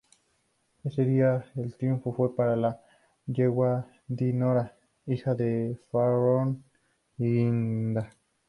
Ese día el triunfo fue para la yegua Dinorah, hija de Fanfarrón y Guinda.